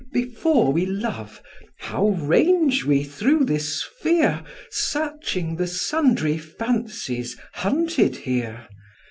Before we love, how range we through this sphere, Searching the sundry fancies hunted here!